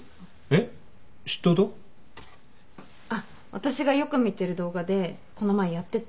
あっ私がよく見てる動画でこの前やってて。